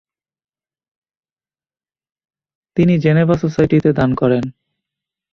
তিনি জেনেভা সোসাইটিতে দান করেন।